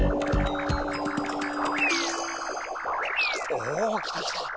おおきたきた。